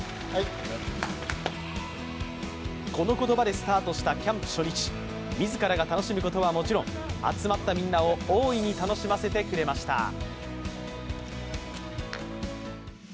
この言葉でスタートしたキャンプ初日、自らが楽しむことはもちろん、集まったみんなを大いに楽しませてくれました。